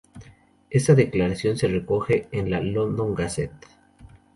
Está declaración se recoge en la "London Gazette".